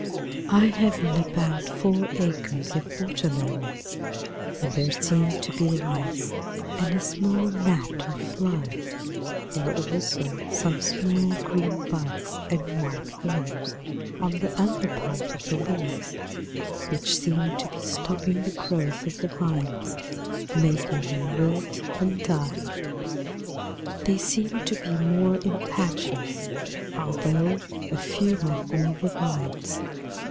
I have in about four acres of watermelons, and there seem to be lice and a small gnat or fly, and also some small green bugs and white worms on the under part of the leaves, which seem to be stopping the growth of the vines, making them wilt and die. They seem to be more in patches, although a few on all the vines.